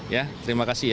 ya terima kasih ya